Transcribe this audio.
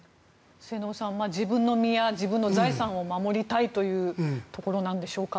末延さん、自分の身や自分の財産を守りたいというところなんでしょうか。